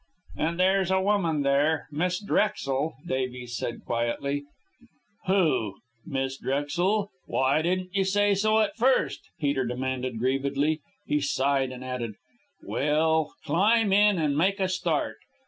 "And there's a woman there Miss Drexel," Davies said quietly. "Who? Miss Drexel? Why didn't you say so at first!" Peter demanded grievedly. He sighed and added, "Well, climb in an' make a start.